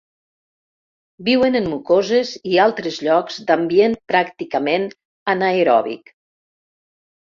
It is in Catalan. Viuen en mucoses i altres llocs d'ambient pràcticament anaeròbic.